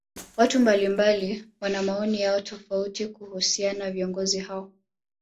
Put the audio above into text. watu mbalimbali wana maoni yao tofauti kuhusiana viongozi hao